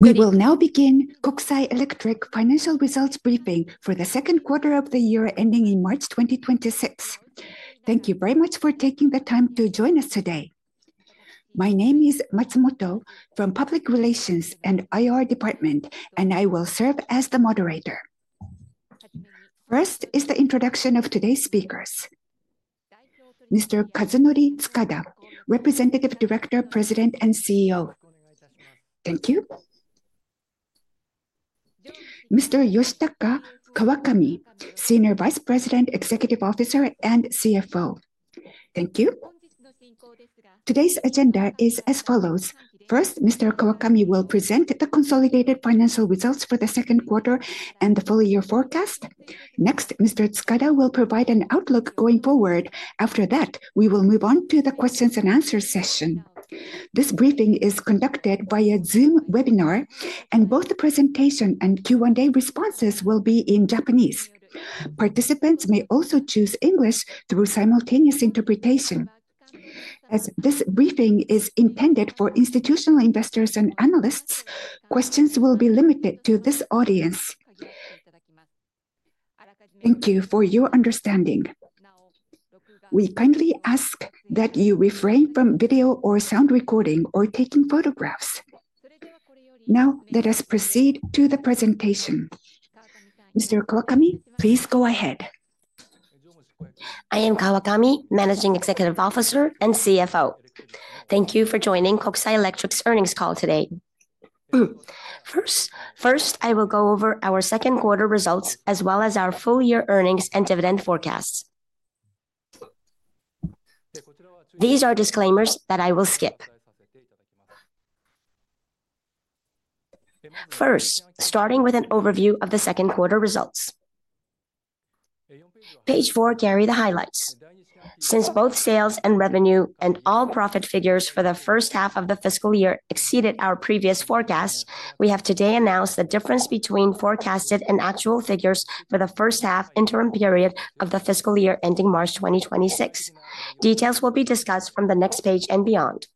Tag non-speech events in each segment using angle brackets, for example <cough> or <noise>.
We will now begin Kokusai Electric financial results briefing for the second quarter of the year ending in March 2026. Thank you very much for taking the time to join us today. My name is Matsumoto from Public Relations and IR Department, and I will serve as the moderator. First is the introduction of today's speakers: Mr. Kazunori Tsukada, Representative Director, President, and CEO. Thank you. Mr. Yoshitaka Kawakami, Senior Vice President, Executive Officer, and CFO. Thank you. Today's agenda is as follows: First, Mr. Kawakami will present the consolidated financial results for the second quarter and the full-year forecast. Next, Mr. Tsukada will provide an outlook going forward. After that, we will move on to the questions and answers session. This briefing is conducted via Zoom webinar, and both the presentation and Q&A responses will be in Japanese. Participants may also choose English through simultaneous interpretation. As this briefing is intended for institutional investors and analysts, questions will be limited to this audience. Thank you for your understanding. We kindly ask that you refrain from video or sound recording or taking photographs. Now, let us proceed to the presentation. Mr. Kawakami, please go ahead. I am Kawakami, Managing Executive Officer and CFO. Thank you for joining Kokusai Electric's earnings call today. First, I will go over our second-quarter results as well as our full-year earnings and dividend forecasts. These are disclaimers that I will skip. First, starting with an overview of the second-quarter results. Page 4 carries the highlights. Since both sales and revenue and all profit figures for the first half of the fiscal year exceeded our previous forecast, we have today announced the difference between forecasted and actual figures for the first-half interim period of the fiscal year ending March 2026. Details will be discussed from the next page and beyond.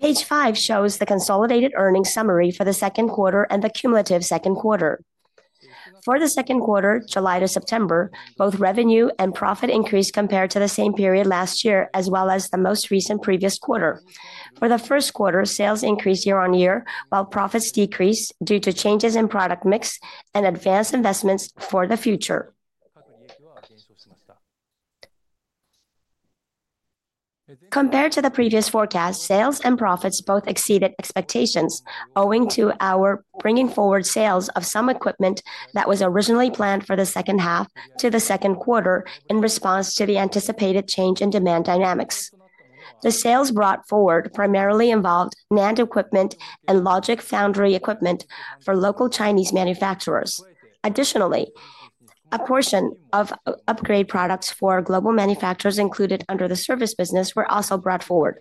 Page 5 shows the consolidated earnings summary for the second quarter and the cumulative second quarter. For the second quarter, July-September, both revenue and profit increased compared to the same period last year as well as the most recent previous quarter. For the first quarter, sales increased year-on-year, while profits decreased due to changes in product mix and advanced investments for the future. Compared to the previous forecast, sales and profits both exceeded expectations, owing to our bringing forward sales of some equipment that was originally planned for the second half to the second quarter in response to the anticipated change in demand dynamics. The sales brought forward primarily involved NAND equipment and Logic Foundry equipment for local Chinese manufacturers. Additionally, a portion of upgrade products for global manufacturers included under the service business were also brought forward.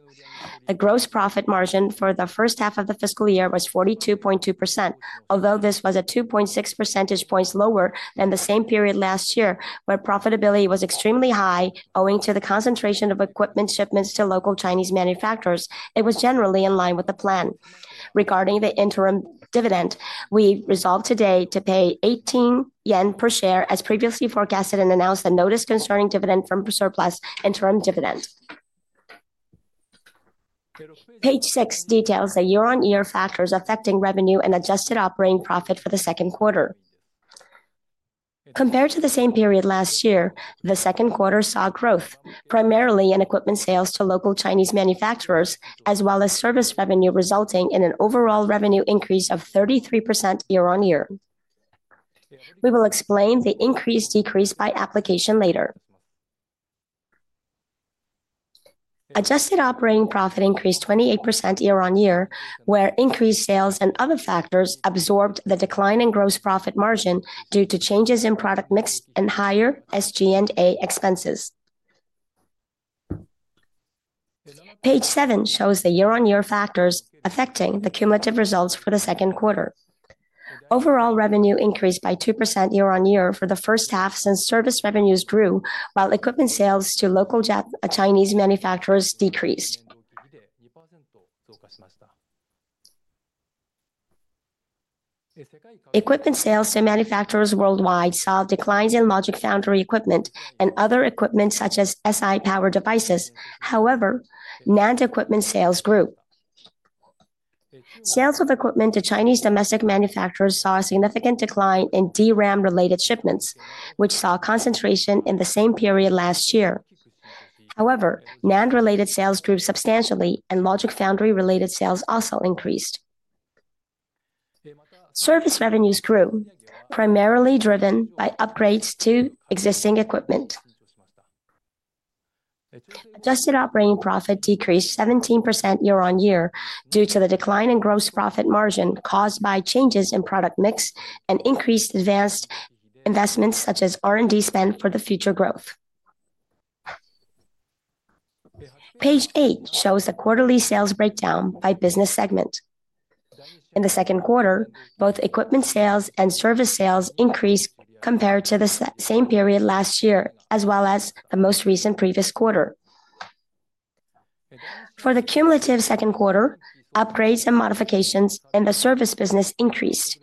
The gross profit margin for the first half of the fiscal year was 42.2%, although this was 2.6 percentage points lower than the same period last year where profitability was extremely high, owing to the concentration of equipment shipments to local Chinese manufacturers. It was generally in line with the plan. Regarding the interim dividend, we resolved today to pay 18 yen per share as previously forecasted and announced a notice concerning dividend firm surplus interim dividend. Page 6 details the year-on-year factors affecting revenue and adjusted operating profit for the second quarter. Compared to the same period last year, the second quarter saw growth, primarily in equipment sales to local Chinese manufacturers, as well as service revenue resulting in an overall revenue increase of 33% year-on-year. We will explain the increase decrease by application later. Adjusted operating profit increased 28% year-on-year, where increased sales and other factors absorbed the decline in gross profit margin due to changes in product mix and higher SG&A expenses. Page 7 shows the year-on-year factors affecting the cumulative results for the second quarter. Overall revenue increased by 2% year-on-year for the first half since service revenues grew, while equipment sales to local Chinese manufacturers decreased. Equipment sales to manufacturers worldwide saw declines in Logic Foundry equipment and other equipment such as Si power devices. However, NAND equipment sales grew. Sales of equipment to Chinese domestic manufacturers saw a significant decline in DRAM-related shipments, which saw concentration in the same period last year. However, NAND-related sales grew substantially, and Logic Foundry-related sales also increased. Service revenues grew, primarily driven by upgrades to existing equipment. Adjusted operating profit decreased 17% year-on-year due to the decline in gross profit margin caused by changes in product mix and increased advanced investments such as R&D spend for the future growth. Page 8 shows the quarterly sales breakdown by business segment. In the second quarter, both equipment sales and service sales increased compared to the same period last year, as well as the most recent previous quarter. For the cumulative second quarter, upgrades and modifications in the service business increased,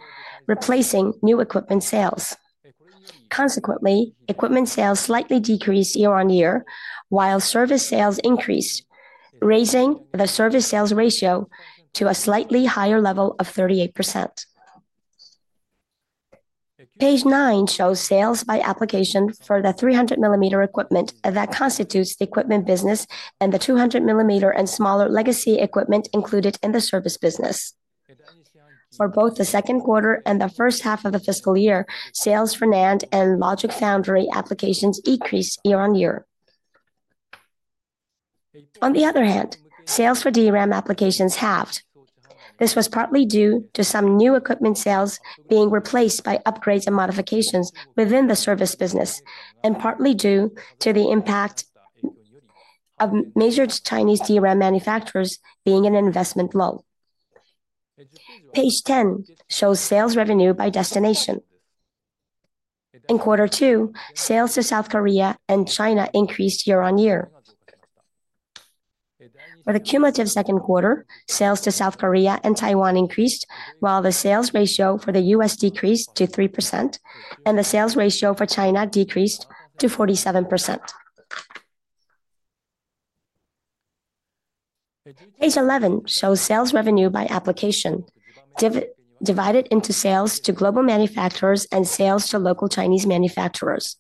replacing new equipment sales. Consequently, equipment sales slightly decreased year-on-year, while service sales increased, raising the service sales ratio to a slightly higher level of 38%. Page 9 shows sales by application for the 300mm equipment that constitutes the equipment business and the 200mm and smaller legacy equipment included in the service business. For both the second quarter and the first half of the fiscal year, sales for NAND and Logic Foundry applications decreased year-on-year. On the other hand, sales for DRAM applications halved. This was partly due to some new equipment sales being replaced by upgrades and modifications within the service business and partly due to the impact of major Chinese DRAM manufacturers being in an investment lull. Page 10 shows sales revenue by destination. In quarter 2, sales to South Korea and China increased year-on-year. For the cumulative second quarter, sales to South Korea and Taiwan increased, while the sales ratio for the U.S. decreased to 3%, and the sales ratio for China decreased to 47%. Page 11 shows sales revenue by application, divided into sales to global manufacturers and sales to local Chinese manufacturers.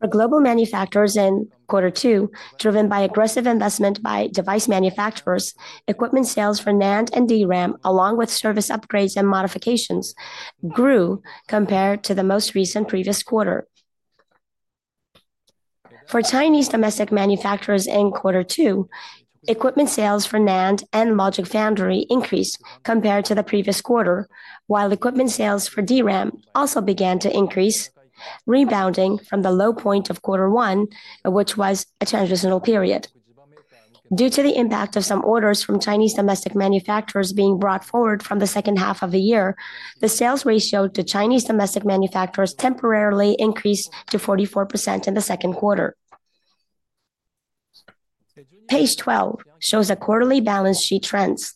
For global manufacturers in quarter 2, driven by aggressive investment by device manufacturers, equipment sales for NAND and DRAM, along with service upgrades and modifications, grew compared to the most recent previous quarter. For Chinese domestic manufacturers in quarter 2, equipment sales for NAND and Logic Foundry increased compared to the previous quarter, while equipment sales for DRAM also began to increase, rebounding from the low point of quarter 1, which was a transitional period. Due to the impact of some orders from Chinese domestic manufacturers being brought forward from the second half of the year, the sales ratio to Chinese domestic manufacturers temporarily increased to 44% in the second quarter. Page 12 shows the quarterly balance sheet trends.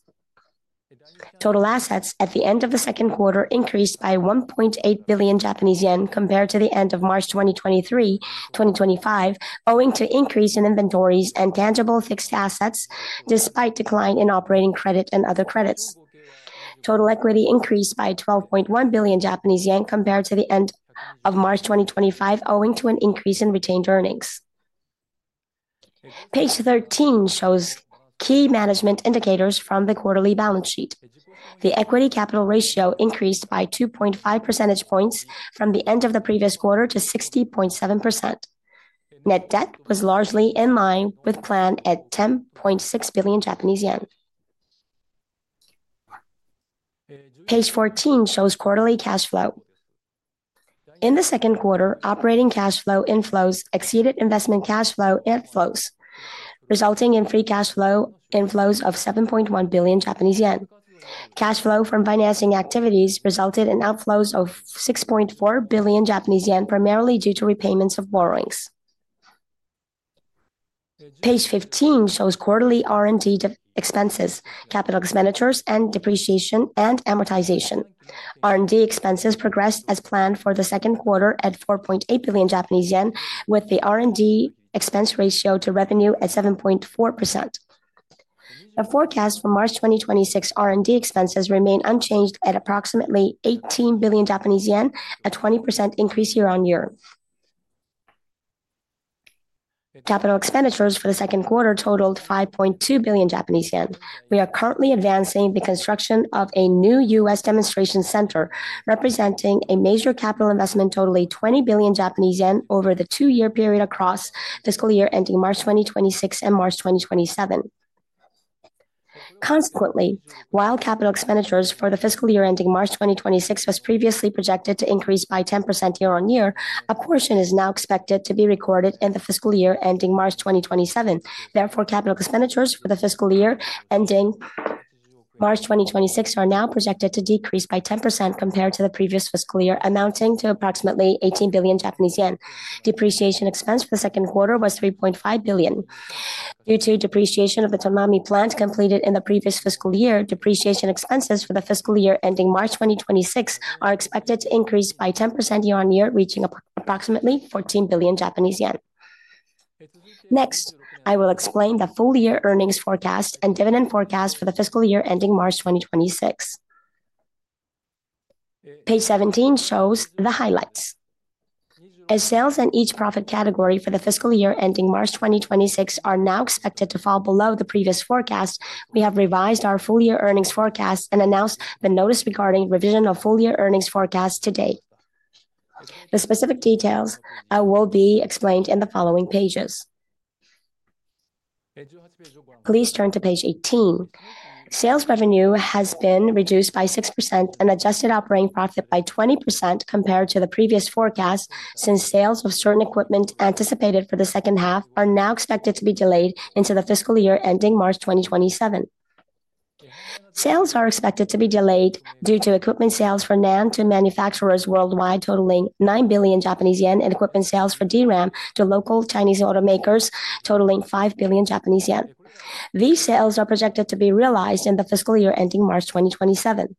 Total assets at the end of the second quarter increased by 1.8 billion Japanese yen compared to the end of March 2023-March 2025, owing to increase in inventories and tangible fixed assets despite decline in operating credit and other credits. Total equity increased by 12.1 billion Japanese yen compared to the end of March 2025, owing to an increase in retained earnings. Page 13 shows key management indicators from the quarterly balance sheet. The equity capital ratio increased by 2.5 percentage points from the end of the previous quarter to 60.7%. Net debt was largely in line with plan at 10.6 billion Japanese yen. Page 14 shows quarterly cash flow. In the second quarter, operating cash flow inflows exceeded investment cash flow inflows, resulting in free cash flow inflows of 7.1 billion Japanese yen. Cash flow from financing activities resulted in outflows of 6.4 billion Japanese yen, primarily due to repayments of borrowings. Page 15 shows quarterly R&D expenses, capital expenditures, and depreciation and amortization. R&D expenses progressed as planned for the second quarter at 4.8 billion Japanese yen, with the R&D expense ratio to revenue at 7.4%. The forecast for March 2026 R&D expenses remained unchanged at approximately 18 billion Japanese yen, a 20% increase year-on-year. Capital expenditures for the second quarter totaled 5.2 billion Japanese yen. We are currently advancing the construction of a new US demonstration center, representing a major capital investment totaling 20 billion Japanese yen over the two-year period across fiscal year ending March 2026-March 2027. Consequently, while capital expenditures for the fiscal year ending March 2026 were previously projected to increase by 10% year-on-year, a portion is now expected to be recorded in the fiscal year ending March 2027. Therefore, capital expenditures for the fiscal year ending March 2026 are now projected to decrease by 10% compared to the previous fiscal year, amounting to approximately 18 billion Japanese yen. Depreciation expense for the second quarter was 3.5 billion. Due to depreciation of the Tomami plant completed in the previous fiscal year, depreciation expenses for the fiscal year ending March 2026 are expected to increase by 10% year-on-year, reaching approximately 14 billion Japanese yen. Next, I will explain the full-year earnings forecast and dividend forecast for the fiscal year ending March 2026. Page 17 shows the highlights. As sales and each profit category for the fiscal year ending March 2026 are now expected to fall below the previous forecast, we have revised our full-year earnings forecast and announced the notice regarding revision of full-year earnings forecast today. The specific details will be explained in the following pages. Please turn to page 18. Sales revenue has been reduced by 6% and adjusted operating profit by 20% compared to the previous forecast since sales of certain equipment anticipated for the second half are now expected to be delayed into the fiscal year ending March 2027. Sales are expected to be delayed due to equipment sales for NAND to manufacturers worldwide totaling 9 billion Japanese yen and equipment sales for DRAM to local Chinese automakers totaling 5 billion Japanese yen. These sales are projected to be realized in the fiscal year ending March 2027.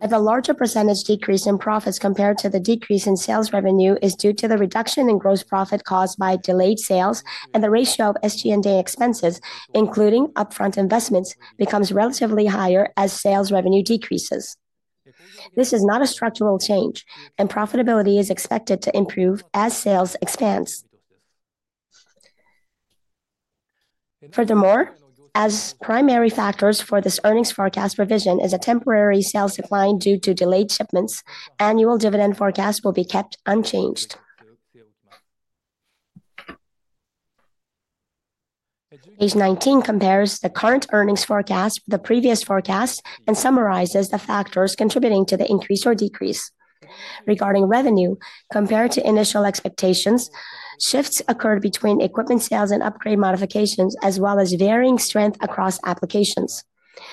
A larger percentage decrease in profits compared to the decrease in sales revenue is due to the reduction in gross profit caused by delayed sales, and the ratio of SG&A expenses, including upfront investments, becomes relatively higher as sales revenue decreases. This is not a structural change, and profitability is expected to improve as sales expands. Furthermore, as primary factors for this earnings forecast revision is a temporary sales decline due to delayed shipments, annual dividend forecasts will be kept unchanged. Page 19 compares the current earnings forecast with the previous forecast and summarizes the factors contributing to the increase or decrease. Regarding revenue, compared to initial expectations, shifts occurred between equipment sales and upgrade modifications, as well as varying strength across applications.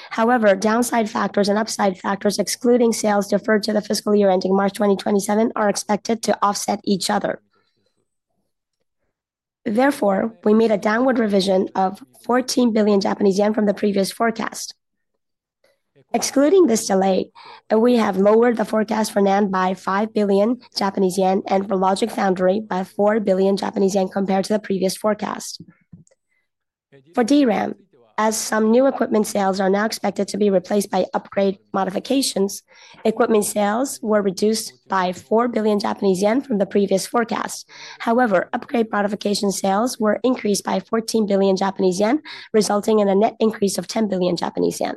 However, downside factors and upside factors excluding sales deferred to the fiscal year ending March 2027 are expected to offset each other. Therefore, we made a downward revision of 14 billion Japanese yen from the previous forecast. Excluding this delay, we have lowered the forecast for NAND by 5 billion Japanese yen and for Logic Foundry by 4 billion Japanese yen compared to the previous forecast. For DRAM, as some new equipment sales are now expected to be replaced by upgrade modifications, equipment sales were reduced by 4 billion Japanese yen from the previous forecast. However, upgrade modification sales were increased by 14 billion Japanese yen, resulting in a net increase of 10 billion Japanese yen.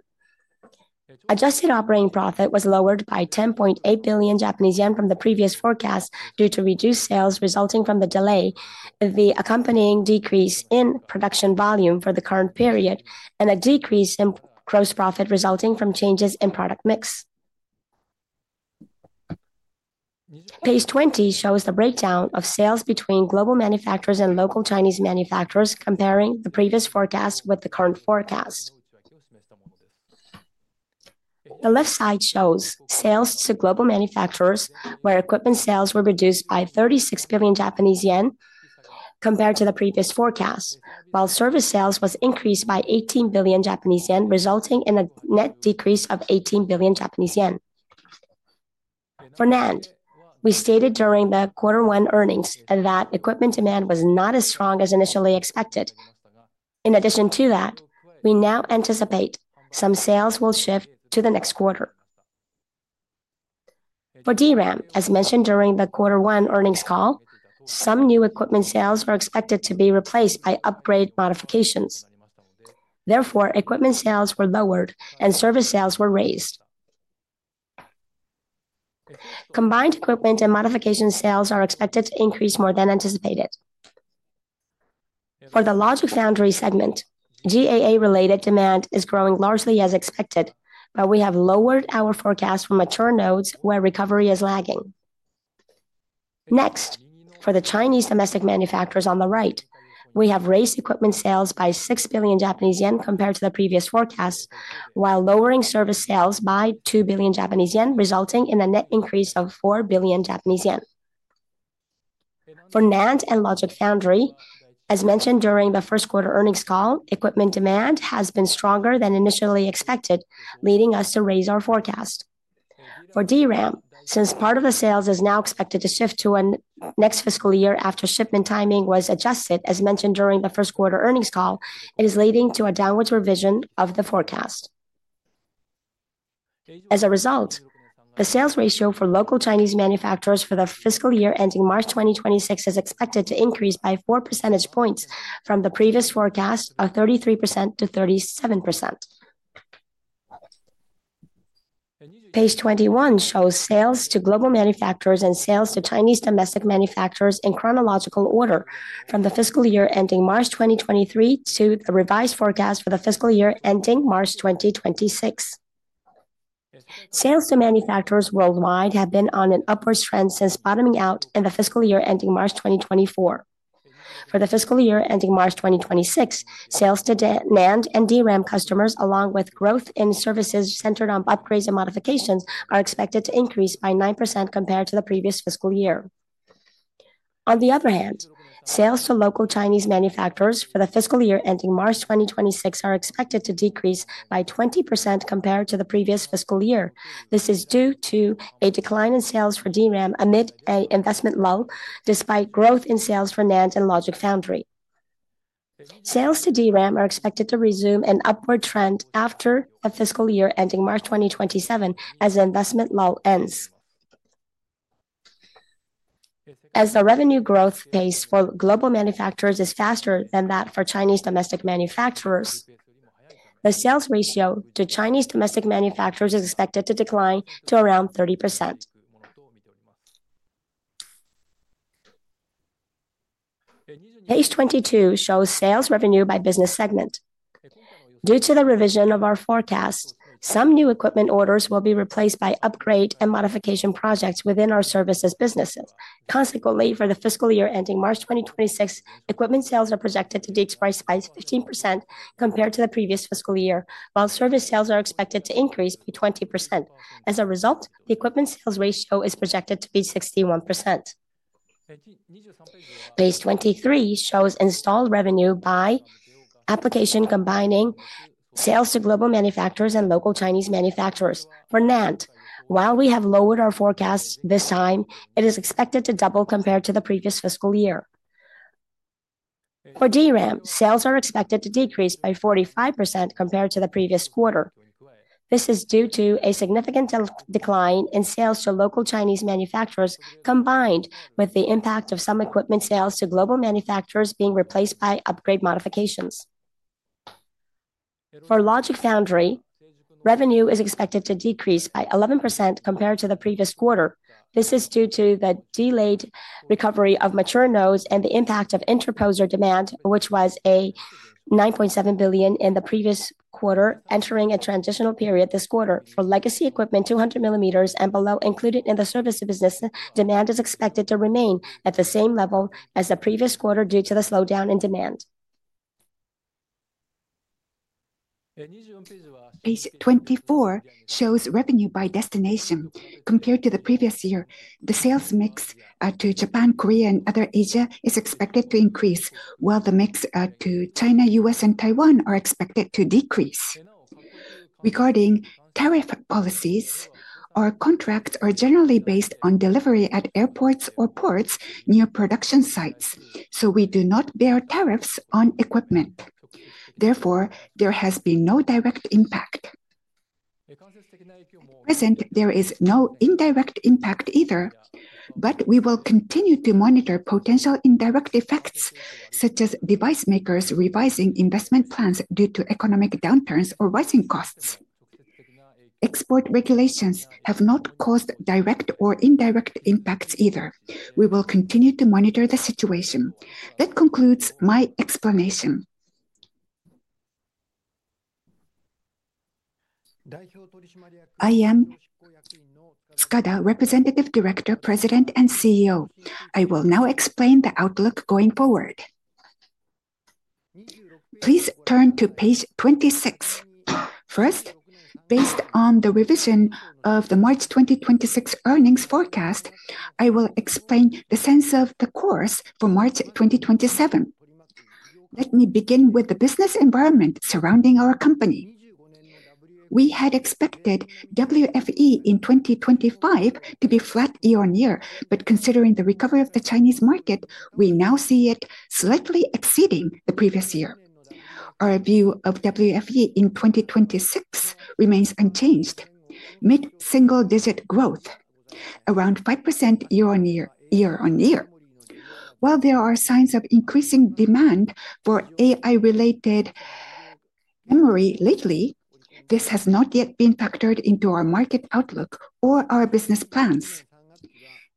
Adjusted operating profit was lowered by 10.8 billion Japanese yen from the previous forecast due to reduced sales resulting from the delay, the accompanying decrease in production volume for the current period, and a decrease in gross profit resulting from changes in product mix. Page 20 shows the breakdown of sales between global manufacturers and local Chinese manufacturers, comparing the previous forecast with the current forecast. The left side shows sales to global manufacturers, where equipment sales were reduced by 36 billion Japanese yen compared to the previous forecast, while service sales was increased by 18 billion Japanese yen, resulting in a net decrease of 18 billion Japanese yen. For NAND, we stated during the quarter 1 earnings that equipment demand was not as strong as initially expected. In addition to that, we now anticipate some sales will shift to the next quarter. For DRAM, as mentioned during the Quarter 1 Earnings Call, some new equipment sales were expected to be replaced by upgrade modifications. Therefore, equipment sales were lowered and service sales were raised. Combined equipment and modification sales are expected to increase more than anticipated. For the Logic Foundry segment, GAA-related demand is growing largely as expected, but we have lowered our forecast for mature nodes where recovery is lagging. Next, for the Chinese domestic manufacturers on the right, we have raised equipment sales by 6 billion Japanese yen compared to the previous forecast, while lowering service sales by 2 billion Japanese yen, resulting in a net increase of 4 billion Japanese yen. For NAND and Logic Foundry, as mentioned during the first quarter earnings call, equipment demand has been stronger than initially expected, leading us to raise our forecast. For DRAM, since part of the sales is now expected to shift to the next fiscal year after shipment timing was adjusted, as mentioned during the first quarter earnings call, it is leading to a downward revision of the forecast. As a result, the sales ratio for local Chinese manufacturers for the fiscal year ending March 2026 is expected to increase by 4 percentage points from the previous forecast of 33%-37%. Page 21 shows sales to global manufacturers and sales to Chinese domestic manufacturers in chronological order from the fiscal year ending March 2023 to the revised forecast for the fiscal year ending March 2026. Sales to manufacturers worldwide have been on an upward trend since bottoming out in the fiscal year ending March 2024. For the fiscal year ending March 2026, sales to NAND and DRAM customers, along with growth in services centered on upgrades and modifications, are expected to increase by 9% compared to the previous fiscal year. On the other hand, sales to local Chinese manufacturers for the fiscal year ending March 2026 are expected to decrease by 20% compared to the previous fiscal year. This is due to a decline in sales for DRAM amid an investment lull, despite growth in sales for NAND and Logic Foundry. Sales to DRAM are expected to resume an upward trend after the fiscal year ending March 2027, as the investment lull ends. As the revenue growth pace for global manufacturers is faster than that for Chinese domestic manufacturers, the sales ratio to Chinese domestic manufacturers is expected to decline to around 30%. Page 22 shows sales revenue by business segment. Due to the revision of our forecast, some new equipment orders will be replaced by upgrade and modification projects within our services businesses. Consequently, for the fiscal year ending March 2026, equipment sales are projected to decrease by 15% compared to the previous fiscal year, while service sales are expected to increase by 20%. As a result, the equipment sales ratio is projected to be 61%. Page 23 shows installed revenue by application combining sales to global manufacturers and local Chinese manufacturers. For NAND, while we have lowered our forecast this time, it is expected to double compared to the previous fiscal year. For DRAM, sales are expected to decrease by 45% compared to the previous quarter. This is due to a significant decline in sales to local Chinese manufacturers, combined with the impact of some equipment sales to global manufacturers being replaced by upgrade modifications. For Logic Foundry, revenue is expected to decrease by 11% compared to the previous quarter. This is due to the delayed recovery of mature nodes and the impact of interposer demand, which was 9.7 billion in the previous quarter, entering a transitional period this quarter. For legacy equipment, 200 mm and below included in the service business, demand is expected to remain at the same level as the previous quarter due to the slowdown in demand. Page 24 shows revenue by destination. Compared to the previous year, the sales mix to Japan, Korea, and other Asia is expected to increase, while the mix to China, US, and Taiwan are expected to decrease. Regarding tariff policies, our contracts are generally based on delivery at airports or ports near production sites, so we do not bear tariffs on equipment. Therefore, there has been no direct impact. At present, there is no indirect impact either, but we will continue to monitor potential indirect effects, such as device makers revising investment plans due to economic downturns or rising costs. Export regulations have not caused direct or indirect impacts either. We will continue to monitor the situation. That concludes my explanation. I am Tsukada, Representative Director, President, and CEO. I will now explain the outlook going forward. Please turn to page 26. First, based on the revision of the March 2026 earnings forecast, I will explain the sense of the course for March 2027. Let me begin with the business environment surrounding our company. We had expected WFE in 2025 to be flat year-on-year, but considering the recovery of the Chinese market, we now see it slightly exceeding the previous year. Our view of WFE in 2026 remains unchanged, mid-single-digit growth, around 5% year-on-year. While there are signs of increasing demand for AI-related memory lately, this has not yet been factored into our market outlook or our business plans.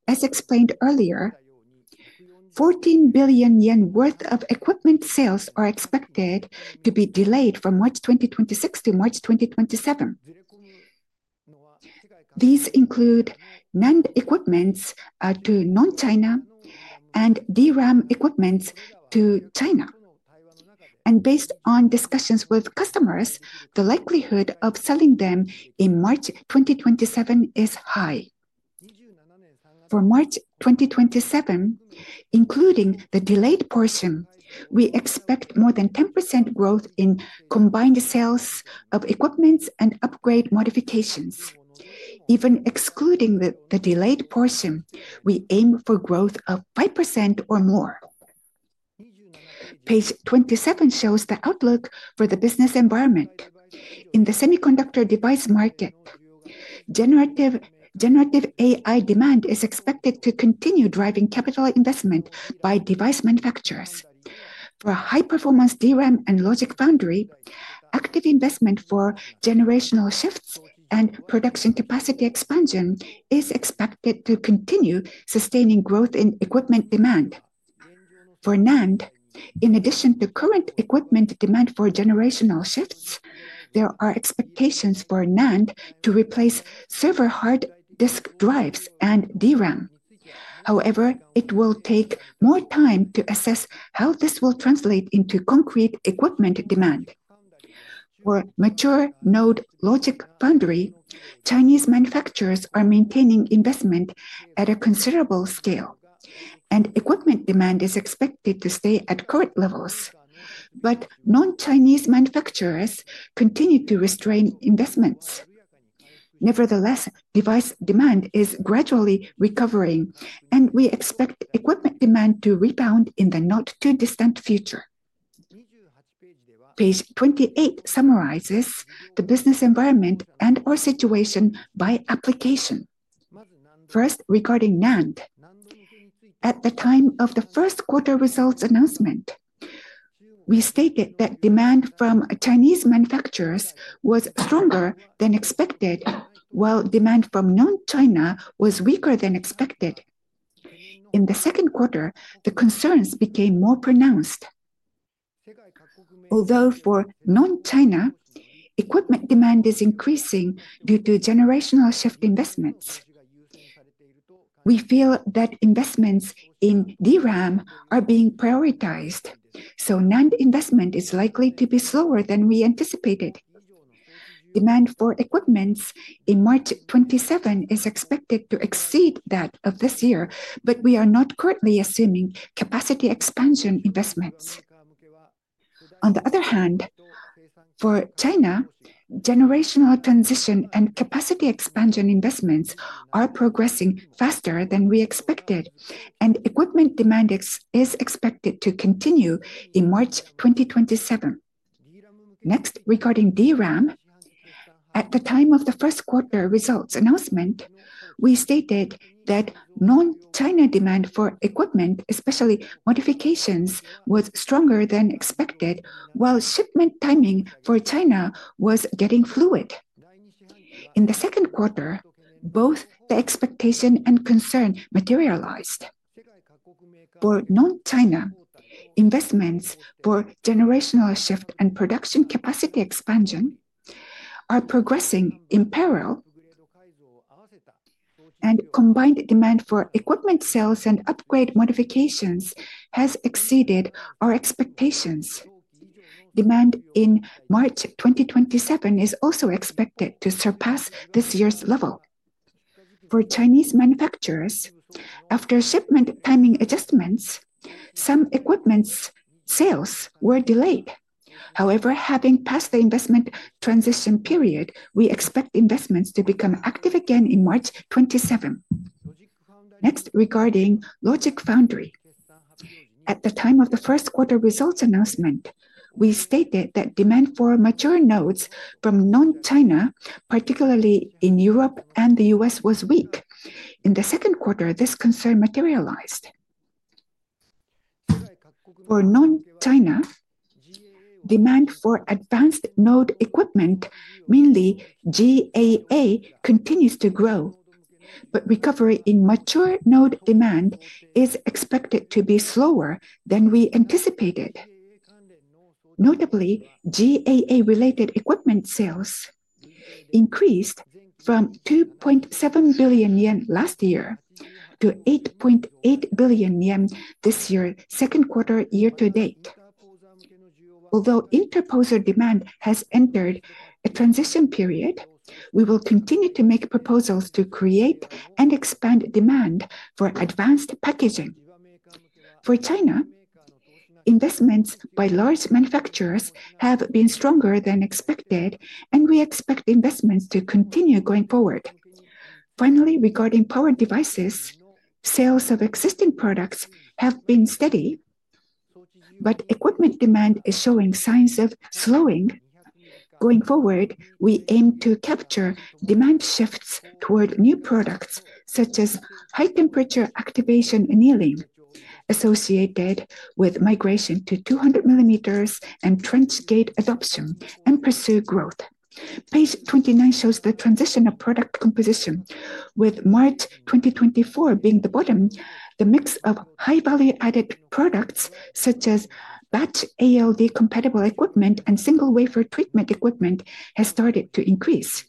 As explained earlier, 14 billion yen worth of equipment sales are expected to be delayed from March 2026-March 2027. These include NAND equipment to non-China and DRAM equipment to China. Based on discussions with customers, the likelihood of selling them in March 2027 is high. For March 2027, including the delayed portion, we expect more than 10% growth in combined sales of equipment and upgrade modifications. Even excluding the delayed portion, we aim for growth of 5% or more. Page 27 shows the outlook for the business environment. In the semiconductor device market, generative AI demand is expected to continue driving capital investment by device manufacturers. For high-performance DRAM and Logic Foundry, active investment for generational shifts and production capacity expansion is expected to continue sustaining growth in equipment demand. For NAND, in addition to current equipment demand for generational shifts, there are expectations for NAND to replace server hard disk drives and DRAM. However, it will take more time to assess how this will translate into concrete equipment demand. For mature node Logic Foundry, Chinese manufacturers are maintaining investment at a considerable scale, and equipment demand is expected to stay at current levels, but non-Chinese manufacturers continue to restrain investments. Nevertheless, device demand is gradually recovering, and we expect equipment demand to rebound in the not-too-distant future. Page 28 summarizes the business environment and our situation by application. First, regarding NAND, at the time of the first quarter results announcement, we stated that demand from Chinese manufacturers was stronger than expected, while demand from non-China was weaker than expected. In the second quarter, the concerns became more pronounced. Although for non-China, equipment demand is increasing due to generational shift investments. We feel that investments in DRAM are being prioritized, so NAND investment is likely to be slower than we anticipated. Demand for equipment in March 2027 is expected to exceed that of this year, but we are not currently assuming capacity expansion investments. On the other hand, for China, generational transition and capacity expansion investments are progressing faster than we expected, and equipment demand is expected to continue in March 2027. Next, regarding DRAM, at the time of the first quarter results announcement, we stated that non-China demand for equipment, especially modifications, was stronger than expected, while shipment timing for China was getting fluid. In the second quarter, both the expectation and concern materialized. For non-China, investments for generational shift and production capacity expansion are progressing in parallel, and combined demand for equipment sales and upgrade modifications has exceeded our expectations. Demand in March 2027 is also expected to surpass this year's level. For Chinese manufacturers, after shipment timing adjustments, some equipment sales were delayed. However, having passed the investment transition period, we expect investments to become active again in March 2027. Next, regarding Logic Foundry, at the time of the first quarter results announcement, we stated that demand for mature nodes from non-China, particularly in Europe and the U.S., was weak. In the second quarter, this concern materialized. For non-China, demand for advanced node equipment, mainly GAA, continues to grow, but recovery in mature node demand is expected to be slower than we anticipated. Notably, GAA-related equipment sales increased from 2.7 billion yen last year to 8.8 billion yen this year's second quarter year-to-date. Although interposer demand has entered a transition period, we will continue to make proposals to create and expand demand for advanced packaging. For China, investments by large manufacturers have been stronger than expected, and we expect investments to continue going forward. Finally, regarding power devices, sales of existing products have been steady, but equipment demand is showing signs of slowing. Going forward, we aim to capture demand shifts toward new products such as high-temperature activation annealing associated with migration to 200 millimeters and trench gate adoption and pursue growth. Page 29 shows the transition of product composition. With March 2024 being the bottom, the mix of high-value-added products such as batch ALD-compatible equipment and single-wafer treatment equipment has started to increase.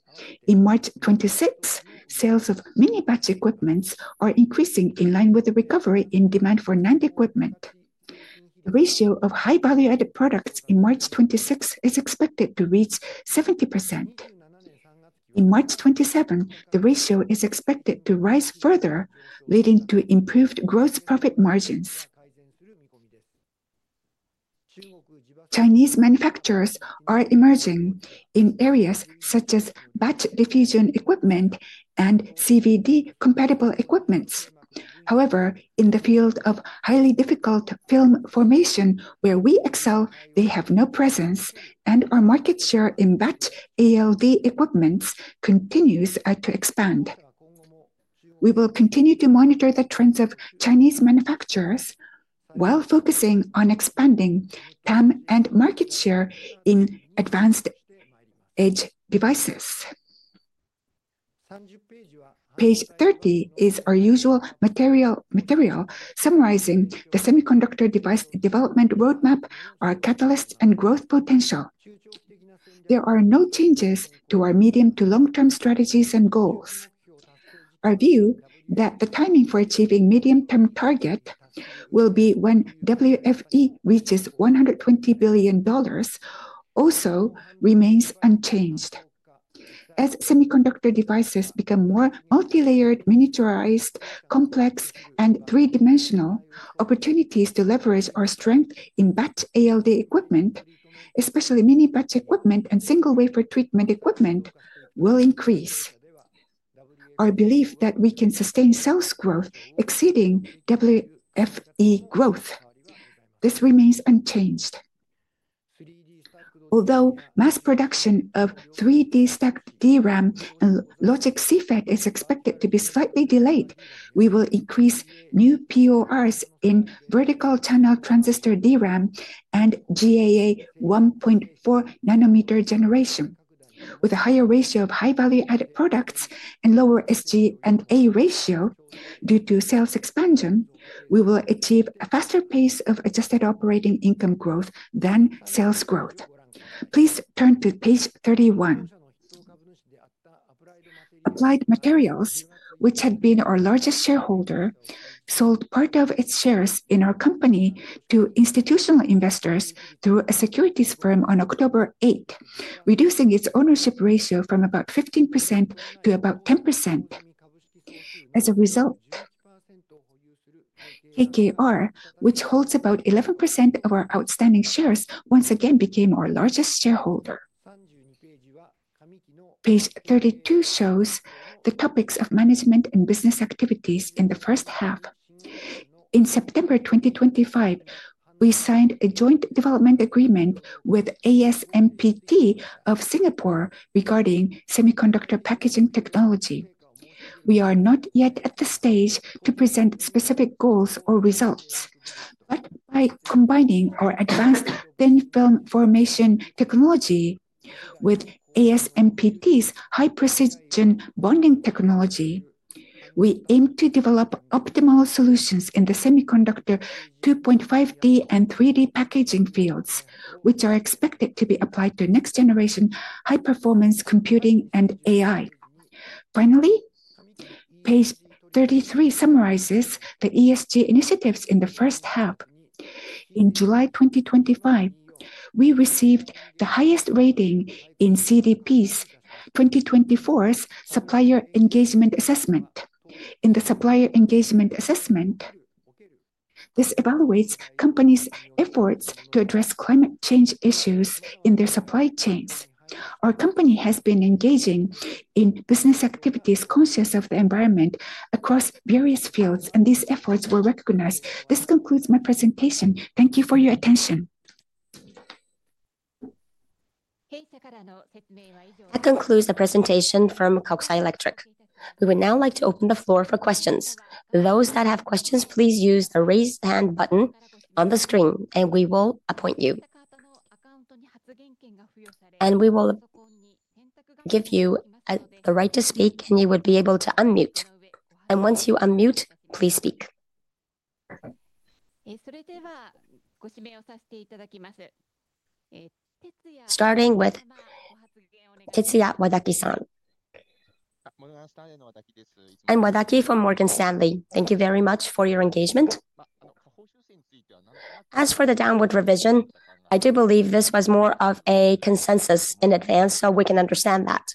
In March 2026, sales of mini-batch equipment are increasing in line with the recovery in demand for NAND equipment. The ratio of high-value-added products in March 2026 is expected to reach 70%. In March 2027, the ratio is expected to rise further, leading to improved gross profit margins. Chinese manufacturers are emerging in areas such as batch diffusion equipment and CVD-compatible equipment. However, in the field of highly difficult film formation, where we excel, they have no presence, and our market share in batch ALD equipment continues to expand. We will continue to monitor the trends of Chinese manufacturers while focusing on expanding TAM and market share in advanced-edge devices. Page 30 is our usual material summarizing the semiconductor device development roadmap, our catalyst, and growth potential. There are no changes to our medium to long-term strategies and goals. Our view that the timing for achieving medium-term target will be when WFE reaches $120 billion also remains unchanged. As semiconductor devices become more multi-layered, miniaturized, complex, and three-dimensional, opportunities to leverage our strength in batch ALD equipment, especially mini-batch equipment and single-wafer treatment equipment, will increase. Our belief that we can sustain sales growth exceeding WFE growth, this remains unchanged. Although mass production of 3D stacked DRAM and Logic CFAD is expected to be slightly delayed, we will increase new PORs in vertical channel transistor DRAM and GAA 1.4-nanometer generation. With a higher ratio of high-value-added products and lower SG&A ratio due to sales expansion, we will achieve a faster pace of adjusted operating income growth than sales growth. Please turn to page 31. Applied Materials, which had been our largest shareholder, sold part of its shares in our company to institutional investors through a securities firm on October 8, reducing its ownership ratio from about 15% to about 10%. As a result, KKR, which holds about 11% of our outstanding shares, once again became our largest shareholder. Page 32 shows the topics of management and business activities in the first half. In September 2025, we signed a joint development agreement with ASMPT of Singapore regarding semiconductor packaging technology. We are not yet at the stage to present specific goals or results, but by combining our advanced thin film formation technology with ASMPT's high-precision bonding technology, we aim to develop optimal solutions in the semiconductor 2.5D and 3D packaging fields, which are expected to be applied to next-generation high-performance computing and AI. Finally, page 33 summarizes the ESG initiatives in the first half. In July 2025, we received the highest rating in CDP's 2024 Supplier Engagement Assessment. In the Supplier Engagement Assessment, this evaluates companies' efforts to address climate change issues in their supply chains. Our company has been engaging in business activities conscious of the environment across various fields, and these efforts were recognized. This concludes my presentation. Thank you for your attention. That concludes the presentation from Kokusai Electric. We would now like to open the floor for questions. For those that have questions, please use the raised hand button on the screen, and we will appoint you. We will give you the right to speak, and you would be able to unmute. Once you unmute, please speak. Starting with Tetsuya Wadaki from Morgan Stanley. Thank you very much for your engagement. As for the downward revision, I do believe this was more of a consensus in advance, so we can understand that.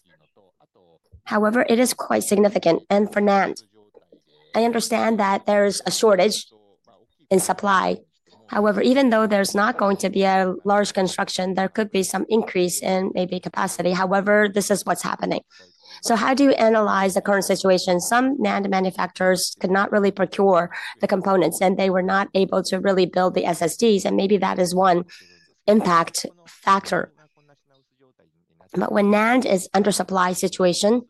However, it is quite significant. For NAND, I understand that there is a shortage in supply. However, even though there is not going to be a large construction, there could be some increase in maybe capacity. This is what is happening. How do you analyze the current situation? Some NAND manufacturers could not really procure the components, and they were not able to really build the SSDs, and maybe that is one impact factor. When NAND is under supply situation,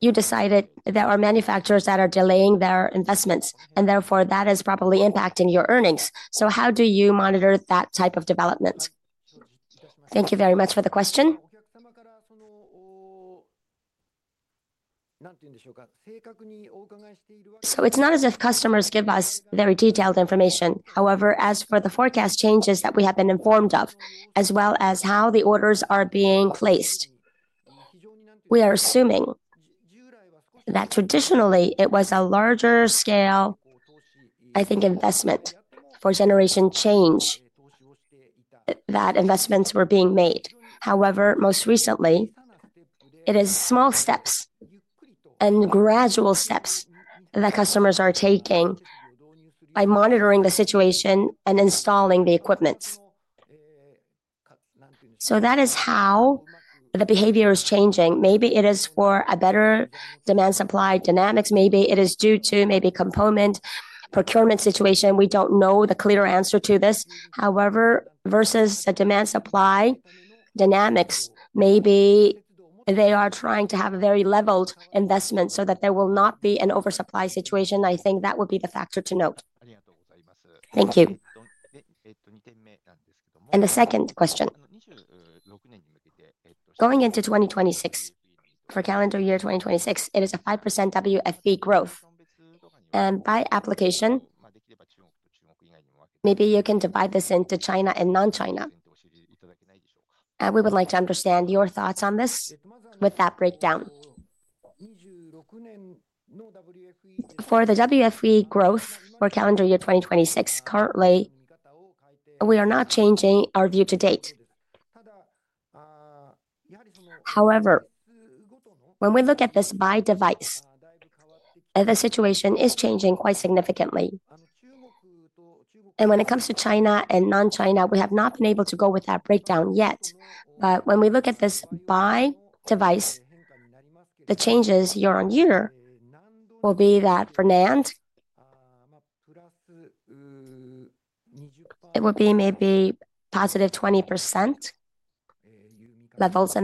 you decided there are manufacturers that are delaying their investments, and therefore that is probably impacting your earnings. How do you monitor that type of development? Thank you very much for the question. It is not as if customers give us very detailed information. However, as for the forecast changes that we have been informed of, as well as how the orders are being placed, we are assuming that traditionally it was a larger scale, I think, investment for generation change that investments were being made. However, most recently, it is small steps and gradual steps that customers are taking by monitoring the situation and installing the equipment. That is how the behavior is changing. Maybe it is for a better demand-supply dynamics. Maybe it is due to maybe component procurement situation. We do not know the clear answer to this. However, versus the demand-supply dynamics, maybe they are trying to have a very leveled investment so that there will not be an oversupply situation. I think that would be the factor to note. Thank you. The second question. Going into 2026, for calendar year 2026, it is a 5% WFE growth. By application, maybe you can divide this into China and non-China. We would like to understand your thoughts on this with that breakdown. For the WFE growth for calendar year 2026, currently, we are not changing our view to date. However, when we look at this by device, the situation is changing quite significantly. When it comes to China and non-China, we have not been able to go with that breakdown yet. When we look at this by device, the changes year on year will be that for NAND, it would be maybe +20% levels,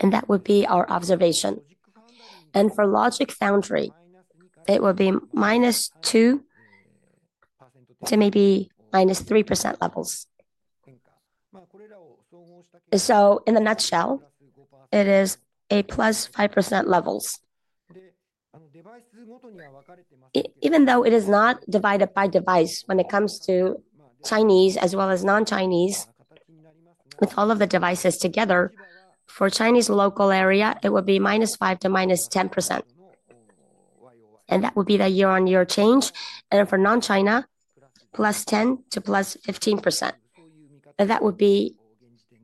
and that would be our observation. For DRAM, +15% levels. That would be our observation. For Logic Foundry, it will be -2% to maybe -3% levels. In a nutshell, it is a +5% level. Even though it is not divided by device, when it comes to Chinese as well as non-Chinese, with all of the devices together, for Chinese local area, it would be -5% to -10%. That would be the year-on-year change. For non-China, +10% to +15%. That would be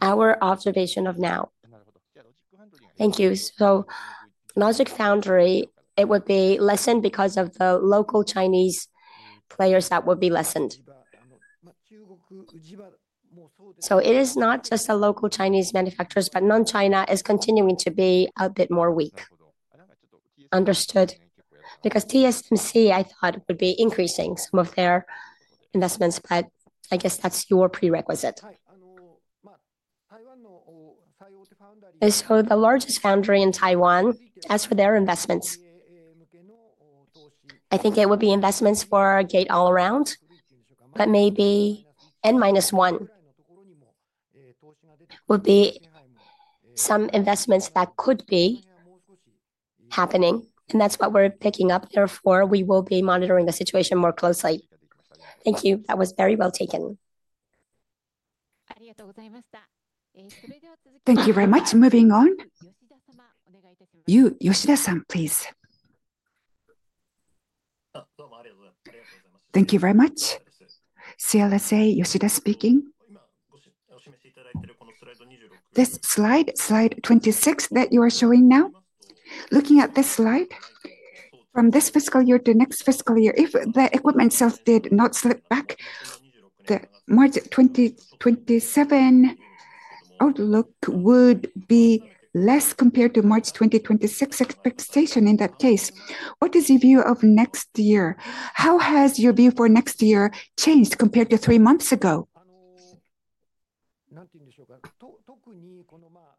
our observation of now. Thank you. Logic Foundry, it would be lessened because of the local Chinese players that would be lessened. It is not just the local Chinese manufacturers, but non-China is continuing to be a bit more weak. Understood. Because TSMC, I thought, would be increasing some of their investments, but I guess that's your prerequisite. The largest foundry in Taiwan, as for their investments, I think it would be investments for Gate All Around, but maybe N minus 1 would be some investments that could be happening. That's what we're picking up. Therefore, we will be monitoring the situation more closely. Thank you. That was very well taken. Thank you very much. Moving on. Yoshida-san, please. Thank you very much. CLSA, Yoshida speaking. This slide, slide 26 that you are showing now, looking at this slide, from this fiscal year to next fiscal year, if the equipment sales did not slip back, the March 2027 outlook would be less compared to March 2026 expectation in that case. What is your view of next year? How has your view for next year changed compared to three months ago?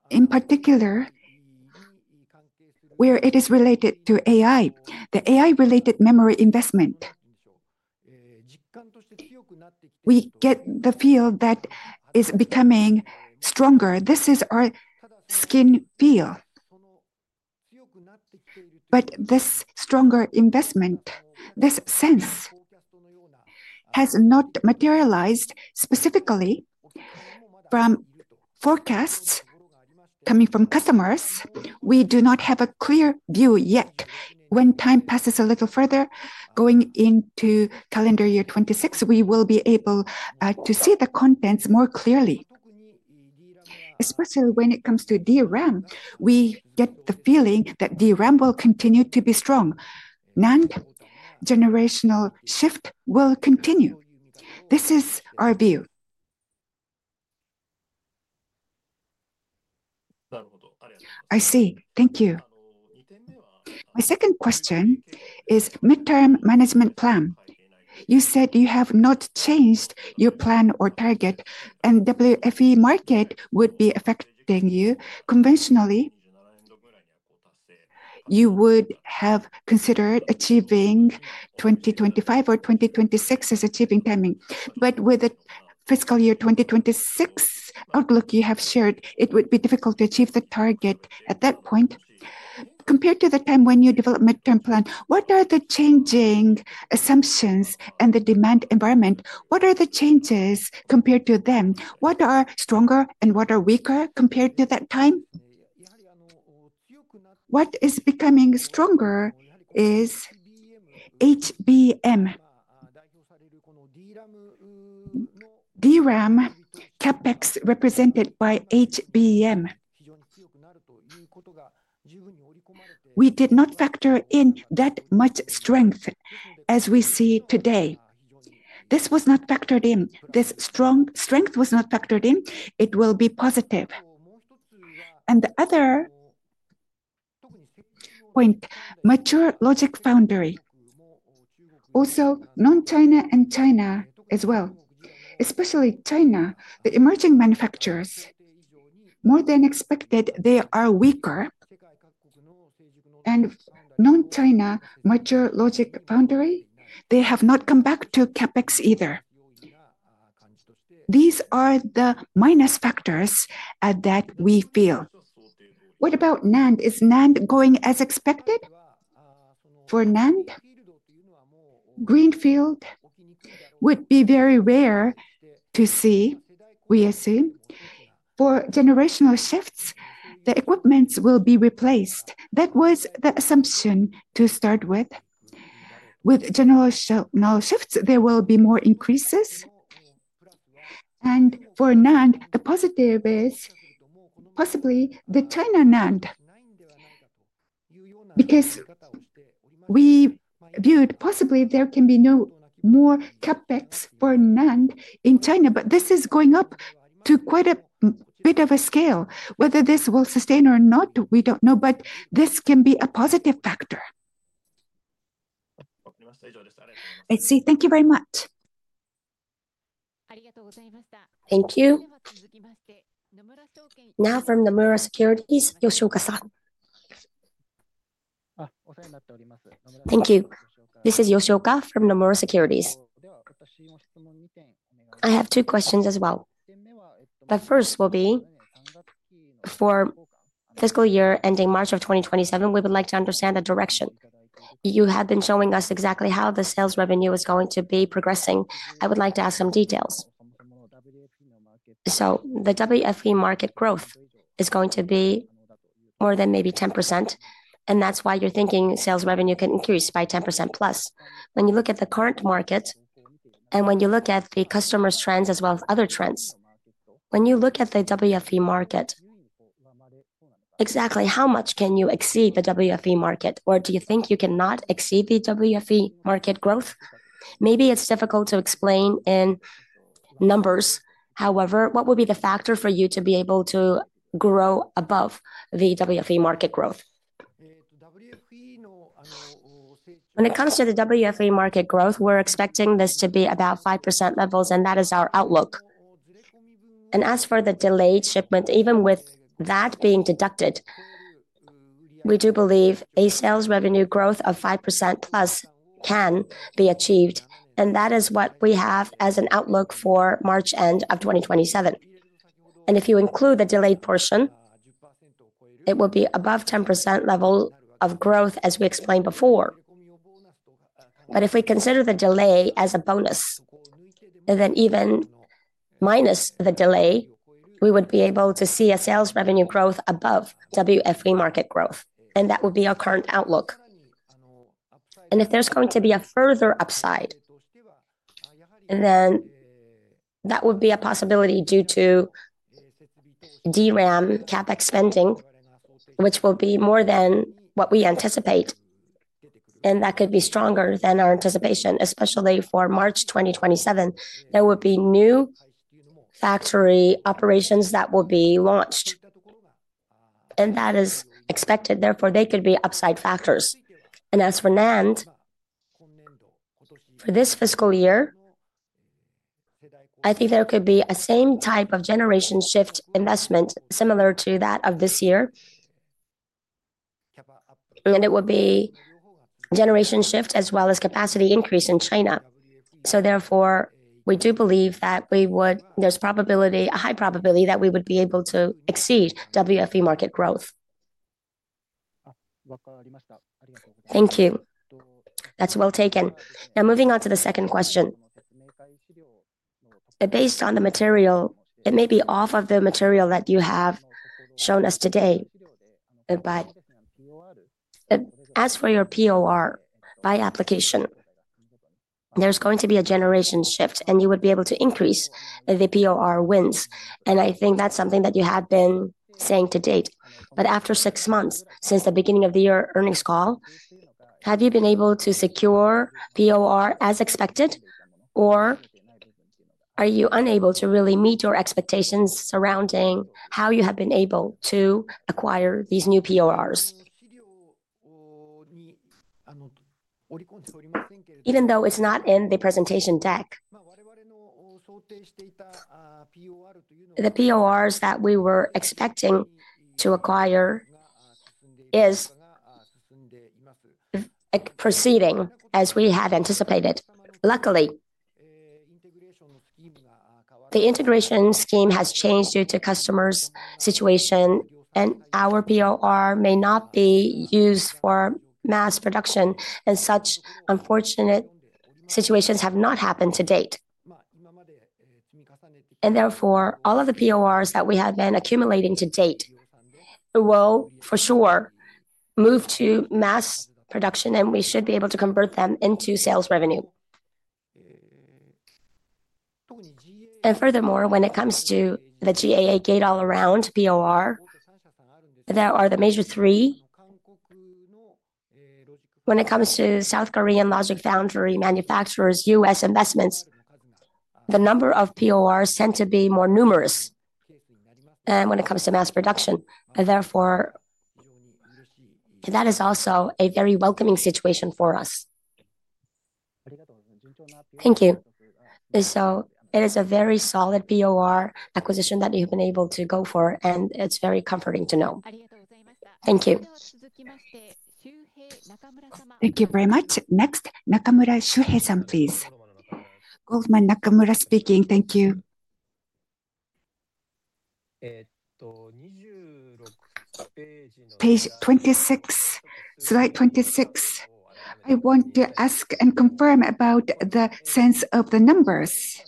In particular, where it is related to AI, the AI-related memory investment, we get the feel that is becoming stronger. This is our skin feel. This stronger investment, this sense, has not materialized specifically from forecasts coming from customers. We do not have a clear view yet. When time passes a little further, going into calendar year 2026, we will be able to see the contents more clearly. Especially when it comes to DRAM, we get the feeling that DRAM will continue to be strong. NAND generational shift will continue. This is our view. <crosstalk> I see. Thank you. <crosstalk> My second question is midterm management plan. You said you have not changed your plan or target. WFE market would be affecting you. Conventionally, you would have considered achieving 2025-2026 as achieving timing. With the fiscal year 2026 outlook you have shared, it would be difficult to achieve the target at that point. Compared to the time when you develop midterm plan, what are the changing assumptions and the demand environment? What are the changes compared to them? What are stronger and what are weaker compared to that time? What is becoming stronger is HBM. DRAM, CapEx represented by HBM. We did not factor in that much strength as we see today. This was not factored in. This strong strength was not factored in. It will be positive. The other point, mature Logic Foundry. Also, non-China and China as well. Especially China, the emerging manufacturers, more than expected, they are weaker. Non-China, mature Logic Foundry, they have not come back to CapEx either. These are the minus factors that we feel. What about NAND? Is NAND going as expected? For NAND, Greenfield would be very rare to see, we assume. For generational shifts, the equipment will be replaced. That was the assumption to start with. With generational shifts, there will be more increases. For NAND, the positive is possibly the China NAND, because we viewed possibly there can be no more CapEx for NAND in China, but this is going up to quite a bit of a scale. Whether this will sustain or not, we do not know, but this can be a positive factor. I see. Thank you very much. Thank you. Now from Nomura Securities, Yoshio Kasa. Thank you. This is Yoshio Kasa from Nomura Securities. I have two questions as well. The first will be for fiscal year ending March of 2027, we would like to understand the direction. You have been showing us exactly how the sales revenue is going to be progressing. I would like to ask some details. So the WFE market growth is going to be more than maybe 10%, and that's why you're thinking sales revenue can increase by 10%+. When you look at the current market and when you look at the customer's trends as well as other trends, when you look at the WFE market, exactly how much can you exceed the WFE market, or do you think you cannot exceed the WFE market growth? Maybe it's difficult to explain in numbers. However, what would be the factor for you to be able to grow above the WFE market growth? When it comes to the WFE market growth, we're expecting this to be about 5% levels, and that is our outlook. As for the delayed shipment, even with that being deducted, we do believe a sales revenue growth of 5%+ can be achieved, and that is what we have as an outlook for March end of 2027. If you include the delayed portion, it will be above 10% level of growth as we explained before. If we consider the delay as a bonus, then even minus the delay, we would be able to see a sales revenue growth above WFE market growth, and that would be our current outlook. If there's going to be a further upside, that would be a possibility due to DRAM CapEx spending, which will be more than what we anticipate, and that could be stronger than our anticipation, especially for March 2027. There would be new factory operations that will be launched, and that is expected. Therefore, they could be upside factors. As for NAND, for this fiscal year, I think there could be a same type of generation shift investment similar to that of this year. It would be generation shift as well as capacity increase in China. Therefore, we do believe that there's a high probability that we would be able to exceed WFE market growth. Thank you. That's well taken. Now, moving on to the second question. Based on the material, it may be off of the material that you have shown us today. As for your POR by application, there's going to be a generation shift, and you would be able to increase the POR wins. I think that's something that you have been saying to date. After six months since the beginning of the year earnings call, have you been able to secure POR as expected, or are you unable to really meet your expectations surrounding how you have been able to acquire these new PORs? Even though it's not in the presentation deck, the PORs that we were expecting to acquire is proceeding as we have anticipated. Luckily, the integration scheme has changed due to customers' situation, and our POR may not be used for mass production. Such unfortunate situations have not happened to date. Therefore, all of the PORs that we have been accumulating to date will for sure move to mass production, and we should be able to convert them into sales revenue. Furthermore, when it comes to the GAA Gate All Around POR, there are the major three. When it comes to South Korean Logic Foundry manufacturers, U.S. investments, the number of PORs tend to be more numerous when it comes to mass production. Therefore, that is also a very welcoming situation for us. Thank you. It is a very solid POR acquisition that you've been able to go for, and it's very comforting to know. Thank you. Thank you very much. Next, Nakamura Shuhei-san, please. Nakamura speaking. Thank you. Page 26, slide 26. I want to ask and confirm about the sense of the numbers.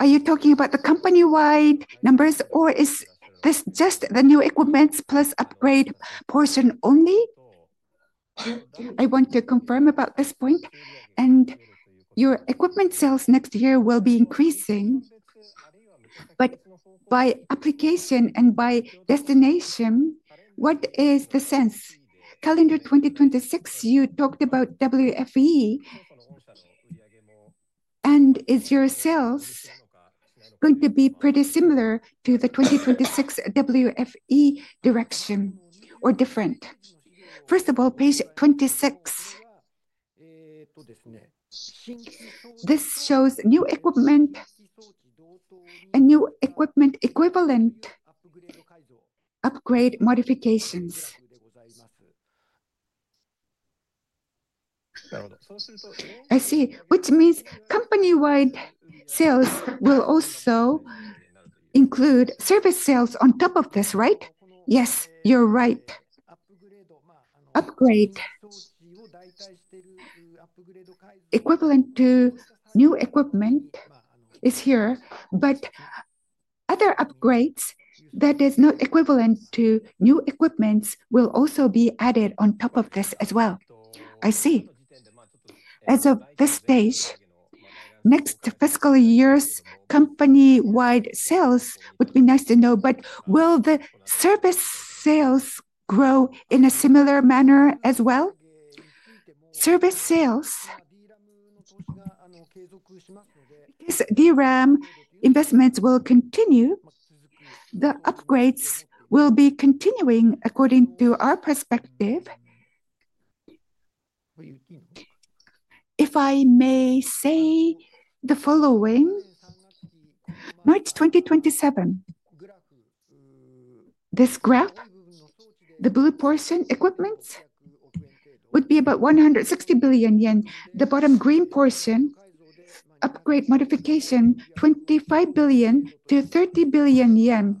Are you talking about the company-wide numbers, or is this just the new equipment plus upgrade portion only? I want to confirm about this point. Your equipment sales next year will be increasing, but by application and by destination, what is the sense? Calendar 2026, you talked about WFE, and is your sales going to be pretty similar to the 2026 WFE direction or different? First of all, page 26, this shows new equipment and new equipment equivalent upgrade modifications. I see, which means company-wide sales will also include service sales on top of this, right? Yes, you're right. <crosstalk> Upgrade equivalent to new equipment is here, but other upgrades that are not equivalent to new equipment will also be added on top of this as well. I see. <crosstalk> As of this stage, next fiscal year's company-wide sales would be nice to know, but will the service sales grow in a similar manner as well? Service sales, because DRAM investments will continue, the upgrades will be continuing according to our perspective. If I may say the following, March 2027, this graph, the blue portion equipment would be about 160 billion yen. The bottom green portion, upgrade modification, 25 billion-30 billion yen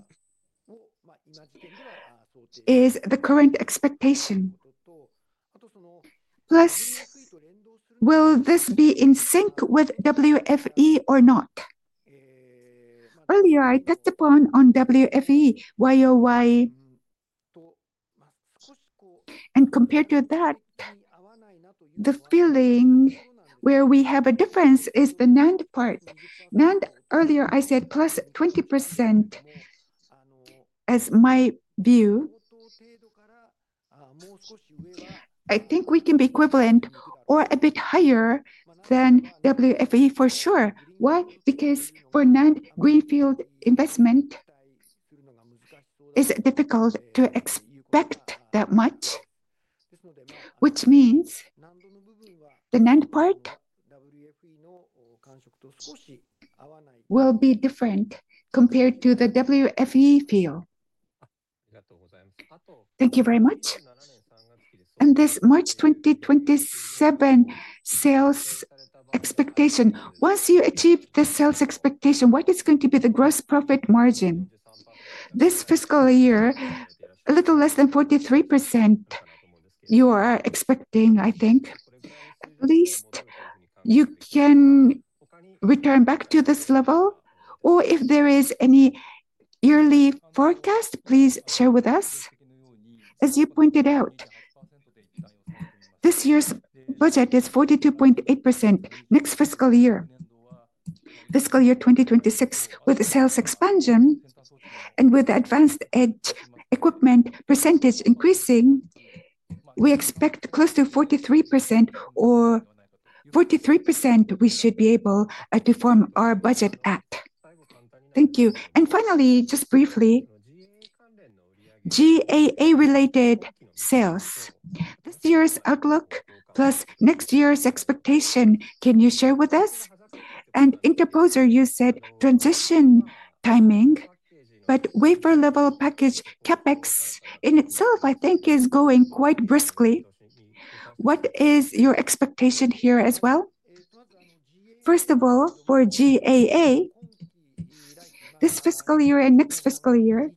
is the current expectation. Plus, will this be in sync with WFE or not? Earlier, I touched upon on WFE, YoY, and compared to that, the feeling where we have a difference is the NAND part. NAND, earlier I said 20%+ as my view. I think we can be equivalent or a bit higher than WFE for sure. Why? Because for NAND, Greenfield investment is difficult to expect that much, which means the NAND part will be different compared to the WFE field. Thank you very much. This March 2027 sales expectation, once you achieve the sales expectation, what is going to be the gross profit margin? <crosstalk> This fiscal year, a little less than 43%, you are expecting, I think. At least you can return back to this level, or if there is any yearly forecast, please share with us. As you pointed out, this year's budget is 42.8% next fiscal year. Fiscal year 2026, with sales expansion and with advanced edge equipment percentage increasing, we expect close to 43% or 43% we should be able to form our budget at. Thank you. Finally, just briefly, GAA-related sales, this year's outlook plus next year's expectation, can you share with us? Interposer, you said transition timing, but wafer level package CapEx in itself, I think, is going quite briskly. What is your expectation here as well? First of all, for GAA, this fiscal year and next fiscal year,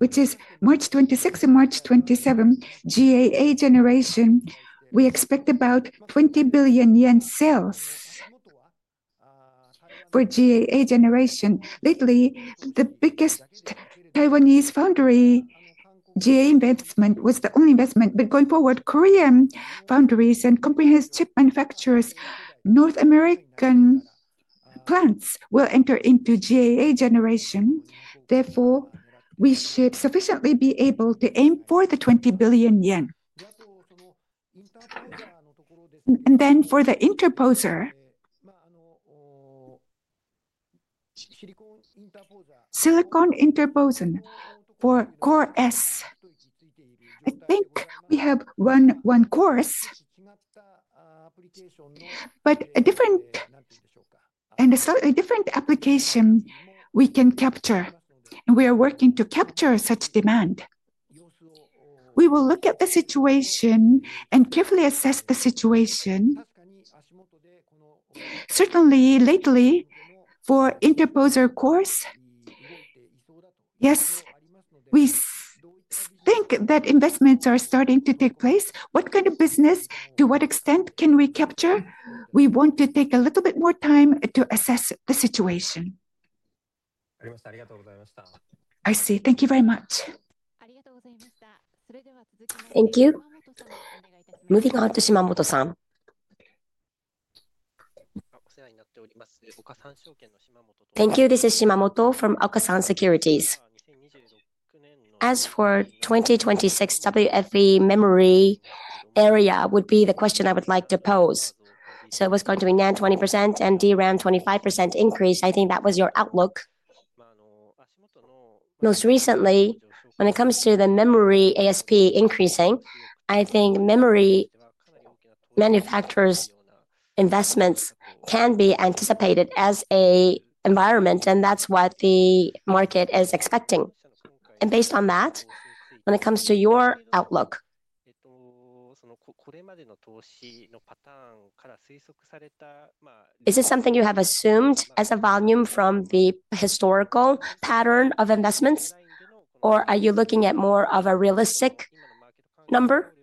which is March 2026 and March 2027, GAA generation, we expect about 20 billion yen sales for GAA generation. Lately, the biggest foundry GAA investment was the only investment, but going forward, Korean foundries and comprehensive chip manufacturers, North American plants will enter into GAA generation. Therefore, we should sufficiently be able to aim for the 20 billion yen. For the interposer, silicon interposing for Core-S. I think we have one core, but a different and a slightly different application we can capture. We are working to capture such demand. We will look at the situation and carefully assess the situation. Certainly, lately for interposer cores, yes, we think that investments are starting to take place. What kind of business, to what extent can we capture? We want to take a little bit more time to assess the situation. <crosstalk> I see. Thank you very much. Thank you. Moving on to Shimamoto-san. Thank you. This is Shimamoto from Okasan Securities. As for 2026 WFE memory area, would be the question I would like to pose. It was going to be NAND 20% and DRAM 25% increase. I think that was your outlook. Most recently, when it comes to the memory ASP increasing, I think memory manufacturers' investments can be anticipated as an environment, and that's what the market is expecting. Based on that, when it comes to your outlook, is it something you have assumed as a volume from the historical pattern of investments, or are you looking at more of a realistic number?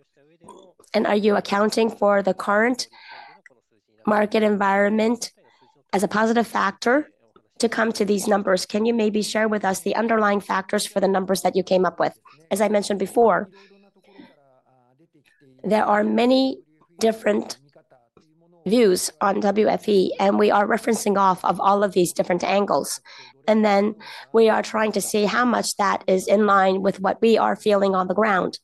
Are you accounting for the current market environment as a positive factor? To come to these numbers, can you maybe share with us the underlying factors for the numbers that you came up with? As I mentioned before, there are many different views on WFE, and we are referencing off of all of these different angles. We are trying to see how much that is in line with what we are feeling on the ground,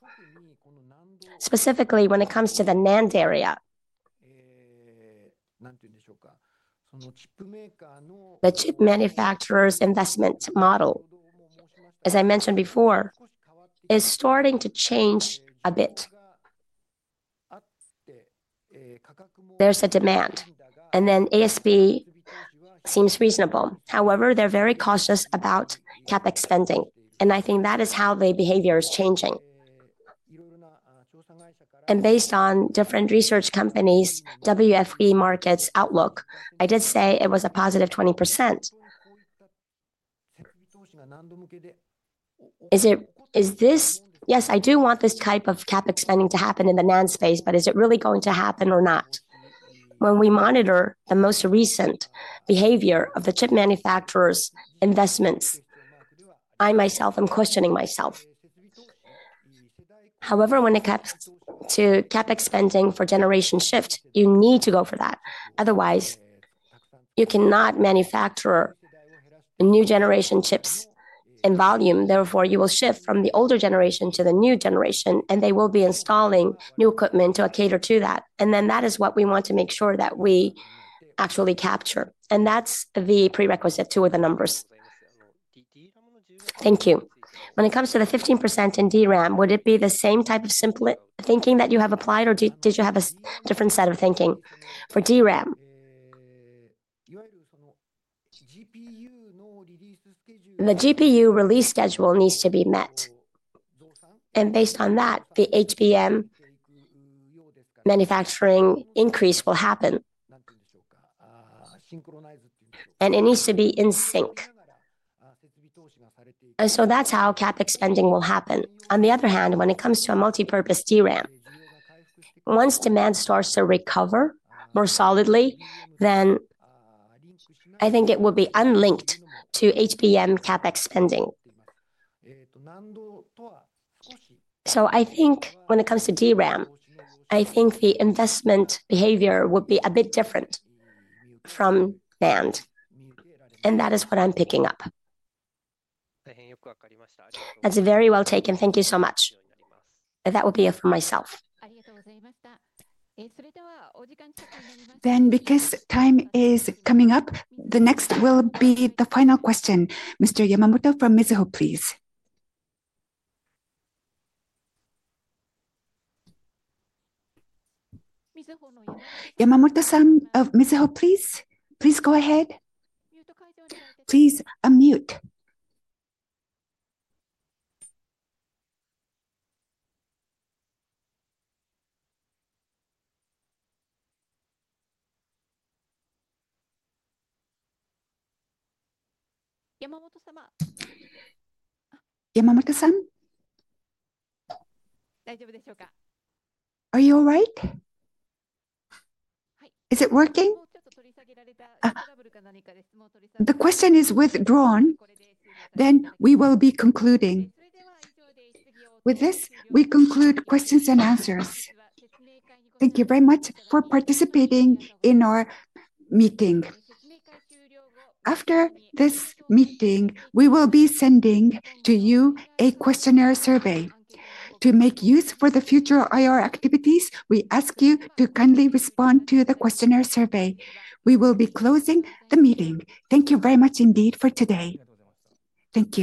specifically when it comes to the NAND area. The chip manufacturers' investment model, as I mentioned before, is starting to change a bit. There is a demand, and then ASB seems reasonable. However, they're very cautious about CapEx spending, and I think that is how their behavior is changing. Based on different research companies' WFE market outlook, I did say it was a 20%+. <crosstalk> Is this? <crosstalk> Yes, I do want this type of CapEx spending to happen in the NAND space, but is it really going to happen or not? When we monitor the most recent behavior of the chip manufacturers' investments, I myself am questioning myself. However, when it comes to CapEx spending for generation shift, you need to go for that. Otherwise, you cannot manufacture new generation chips in volume. Therefore, you will shift from the older generation to the new generation, and they will be installing new equipment to cater to that. That is what we want to make sure that we actually capture. That's the prerequisite to the numbers. Thank you. When it comes to the 15% in DRAM, would it be the same type of simple thinking that you have applied, or did you have a different set of thinking for DRAM? The GPU release schedule needs to be met. Based on that, the HBM manufacturing increase will happen. It needs to be in sync. That is how CapEx spending will happen. On the other hand, when it comes to a multipurpose DRAM, once demand starts to recover more solidly, then I think it will be unlinked to HBM CapEx spending. I think when it comes to DRAM, the investment behavior would be a bit different from NAND. That is what I'm picking up. That's very well taken. Thank you so much. That would be it for myself. Because time is coming up, the next will be the final question. Mr. Yamamoto from Mizuho, please. Yamamoto-san of Mizuho, please. Please go ahead. Please unmute. Yamamoto-san. Are you all right? Is it working? The question is withdrawn. We will be concluding with this. We conclude questions and answers. Thank you very much for participating in our meeting. After this meeting, we will be sending to you a questionnaire survey. To make use for the future IR activities, we ask you to kindly respond to the questionnaire survey. We will be closing the meeting. Thank you very much indeed for today. Thank you.